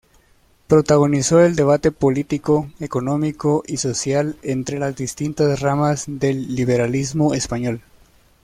Protagonizó el debate político, económico y social entre las distintas ramas del liberalismo español.